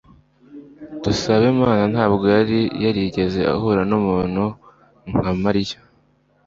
Dusabemana ntabwo yari yarigeze ahura numuntu nka Mariya.